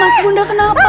mas bunda kenapa